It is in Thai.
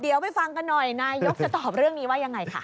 เดี๋ยวไปฟังกันหน่อยนายกจะตอบเรื่องนี้ว่ายังไงคะ